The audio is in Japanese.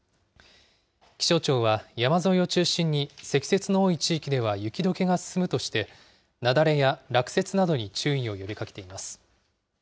気象庁は、山沿いを中心に積雪の多い地域では雪どけが進むとして、雪崩や落雪などに注意を呼びかけています。